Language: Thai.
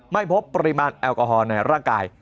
ไม่พบปริมาณแอลกอฮอล์ในร่างกาย